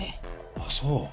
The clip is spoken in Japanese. ああそう。